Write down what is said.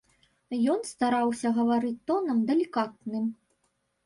Ён стараўся гаварыць тонам далікатным.